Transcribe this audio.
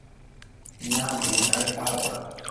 না, মিমি, আমি পারবো না।